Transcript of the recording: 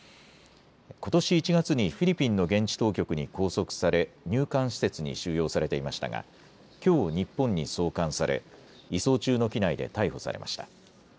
ことし１月にフィリピンの現地当局に拘束され、入管施設に収容されていましたが、きょう、日本に送還され、移送中の機内で逮捕されました。